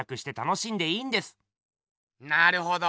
なるほど。